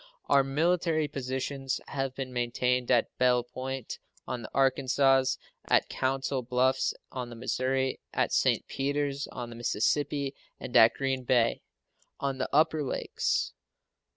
Our military positions have been maintained at Belle Point, on the Arkansas, at Council Bluffs, on the Missouri, at St. Peters, on the Mississippi, and at Green Bay, on the upper Lakes.